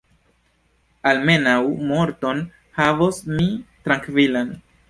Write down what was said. Almenaŭ morton havos mi trankvilan.